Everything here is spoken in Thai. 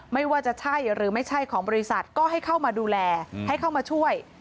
ไม่ว่าจะใช่หรือไม่ใช่ของบริษัทก็ให้เข้ามาดูแลให้เข้ามาช่วย